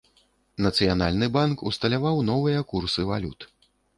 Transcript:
Нацыянальны банк усталяваў новыя курсы валют.